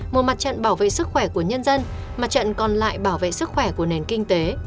một mặt trận bảo vệ sức khỏe của nhân dân mặt trận còn lại bảo vệ sức khỏe của nền kinh tế